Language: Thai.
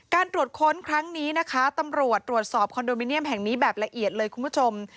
การตรวจค้นครั้งนี้นะคะตำรวจตรวจสอบคอนโดมิเนียมแห่งนี้แบบละเอียดเลยคุณผู้ชม